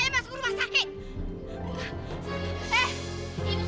ken kamu kenapa lagi nangis